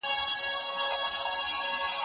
دا لیک له هغه مهم دی؟